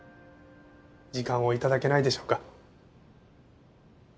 時間を頂けないでしょうか？